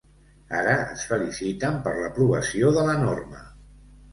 Ara es feliciten per l’aprovació de la norma.